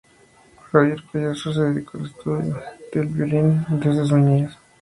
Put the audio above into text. Javier Collazo se dedicó al estudio del violín desde su niñez.